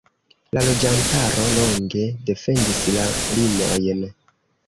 La loĝantaro longe defendis la limojn.